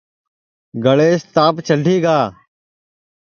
گݪیس تاپ چڈھی گا